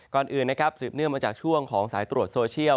ก่อนอื่นนะครับสืบเนื่องมาจากช่วงของสายตรวจโซเชียล